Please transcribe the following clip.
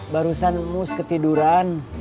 barusan mus ketiduran